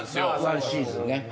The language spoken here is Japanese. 毎シーズンね。